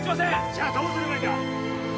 じゃどうすればいいんだ！？